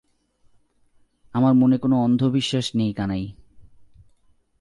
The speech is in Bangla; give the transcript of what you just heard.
আমার মনে কোনো অন্ধ বিশ্বাস নেই কানাই।